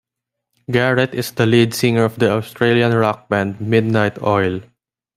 Garrett is the lead singer of the Australian rock band Midnight Oil.